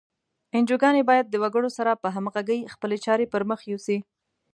انجوګانې باید د وګړو سره په همغږۍ خپلې چارې پر مخ یوسي.